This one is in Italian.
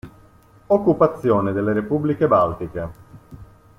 Occupazione delle repubbliche baltiche